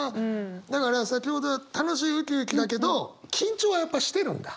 だから先ほどは楽しいウキウキだけど緊張はやっぱしてるんだ。